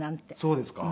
そうですか？